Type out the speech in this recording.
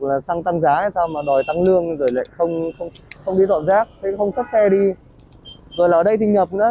là xăng tăng giá hay sao mà đòi tăng lương rồi lại không không đi tọn rác thì không xách xe đi rồi là ở đây thì nhập nữa